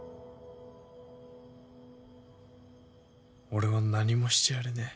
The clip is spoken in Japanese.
俺は何もしてやれねえ。